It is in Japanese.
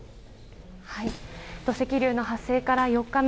土石流の発生から４日目。